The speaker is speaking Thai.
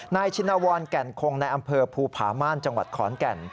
ชินวรแก่นคงในอำเภอภูผาม่านจังหวัดขอนแก่น